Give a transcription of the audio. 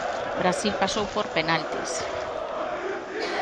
Brasil pasou por penaltis.